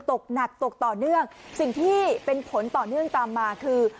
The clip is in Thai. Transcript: ตกหนักตกต่อเนื่องสิ่งที่เป็นผลต่อเนื่องตามมาคือ